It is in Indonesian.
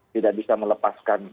tidak bisa melepaskan